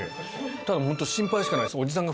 ただホント心配しかないです。